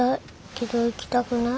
けど行きたくない。